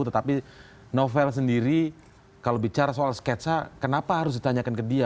tetapi novel sendiri kalau bicara soal sketsa kenapa harus ditanyakan ke dia